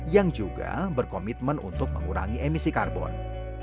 yang juga berkomitmen untuk mengurangi emisi karbon